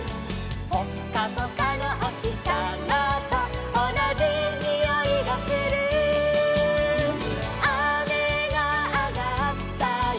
「ぽっかぽかのおひさまとおなじにおいがする」「あめがあがったよ」